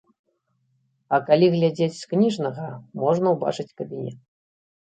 А калі глядзець з кніжнага, можна ўбачыць кабінет.